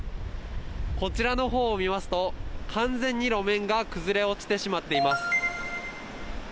こちらのほうを見ますと、完全に路面が崩れ落ちてしまっています。